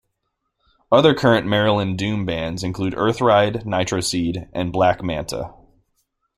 Other current Maryland doom bands include Earthride, Nitroseed, and Black Manta.